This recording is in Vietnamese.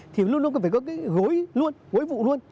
thì luôn luôn phải có cái gối luôn gối vụ luôn